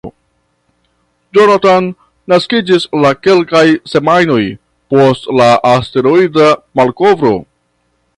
Jonathan naskiĝis la kelkaj semajnoj post la asteroida malkovro.